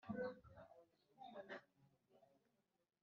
kuko abakobwa bitabwaho, bagahabwa ibikoresho